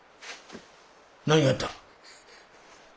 何があった？